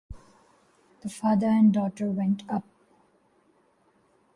The father and daughter went up.